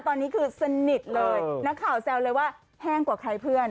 ตอนนี้คือสนิทเลยนักข่าวแซวเลยว่าแห้งกว่าใครเพื่อน